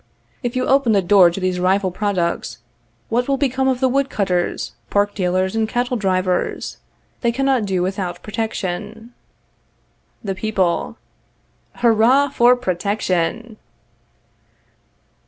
If you open the doors to these rival products, what will become of the wood cutters, pork dealers, and cattle drivers? They cannot do without protection. The People.. Hurrah for PROTECTION!